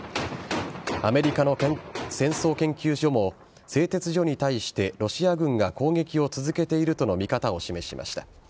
アメリカの戦争研究所も製鉄所に対してロシア軍が攻撃を続けているとの見方を示しました。